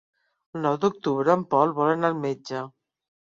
El nou d'octubre en Pol vol anar al metge.